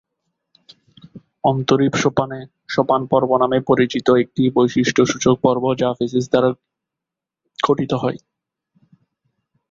অন্তরীপ সোপানে, সোপান পর্ব নামে পরিচিত একটি বৈশিষ্ট্যসূচক পর্ব বা ফেসিস গঠিত হয়।